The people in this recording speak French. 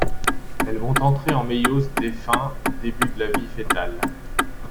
Elles vont entrer en méiose dès fin - début de la vie fœtale.